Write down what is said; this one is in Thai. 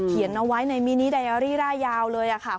เอาไว้ในมินิไดอารี่ร่ายยาวเลยค่ะ